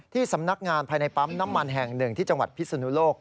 ที่สำนักงานภายในปั๊มน้ำมันแห่งหนึ่งที่จังหวัดพิศนุโลก